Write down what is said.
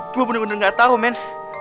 gue bener bener gak tau man